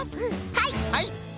はい。